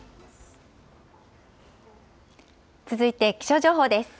続いて気象情報です。